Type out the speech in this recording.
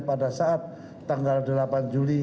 pada saat tanggal delapan juli